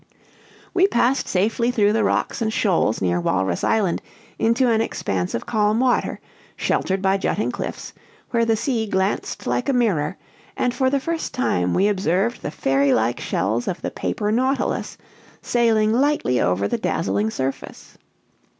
We passed safely through the rocks and shoals near Walrus Island into an expanse of calm water, sheltered by jutting cliffs, where the sea glanced like a mirror, and for the first time we observed the fairy like shells of the paper nautilus sailing lightly over the dazzling surface.